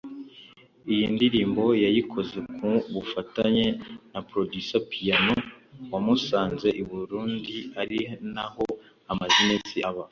Iyi ndirimbo yayikoze ku bufatanye na Producer Piano wamusanze i Burundi ari naho amaze iminsi aba